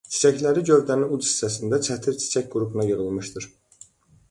Çiçəkləri gövdənin uc hissəsində çətir çiçək qrupuna yığılmışdır.